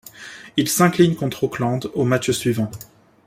Ils s'inclinent contre Oakland au match suivant.